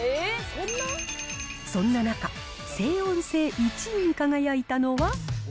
そんな中、静音性１位に輝いたのは。